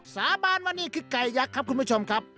สาบานว่านี่คือไก่ยักษ์ครับคุณผู้ชมครับ